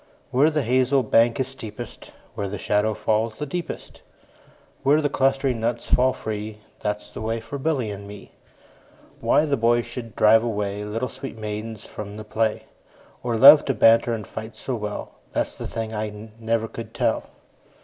Where the hazel bank is steepest, Where the shadow falls the deepest, Where the clustering nuts fall free, 15 That 's the way for Billy and me. Why the boys should drive away Little sweet maidens from the play, Or love to banter and fight so well, That 's the thing I never could tell.